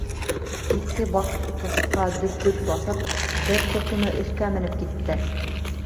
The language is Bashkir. Иҫке баҫҡысҡа дөп-дөп баҫып, бер төркөмө өҫкә менеп китте.